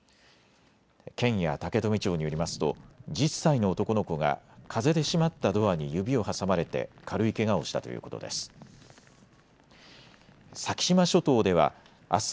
県や竹富町によりますと１０歳の男の子が風で閉まったドアに指を挟まれて軽いけがをしたということです。